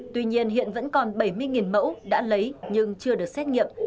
tuy nhiên hiện vẫn còn bảy mươi mẫu đã lấy nhưng chưa được xét nghiệm